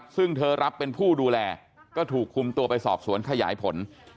ซึ่งเธอรับเป็นผู้ดูแลก็ถูกคุมตัวไปสอบสวนขยายผล